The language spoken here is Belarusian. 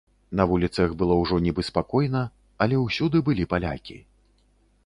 На вуліцах было ўжо нібы спакойна, але ўсюды былі палякі.